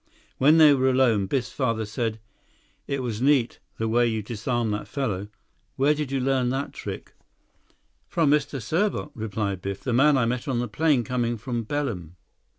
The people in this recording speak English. When they were alone, Biff's father said, "It was neat, the way you disarmed that fellow. Where did you learn that trick?" "From Mr. Serbot," replied Biff, "the man I met on the plane coming from Belem."